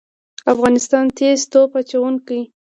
د افغانستان تیز توپ اچوونکي